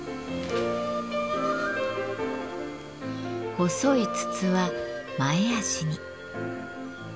細い筒は前足に。